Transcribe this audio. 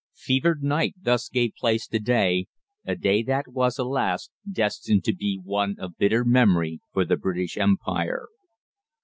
Fevered night thus gave place to day a day that was, alas! destined to be one of bitter memory for the British Empire.